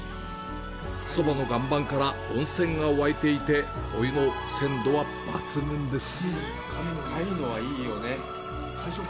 そばの岩盤から温泉が湧いていて、お湯の鮮度は抜群です。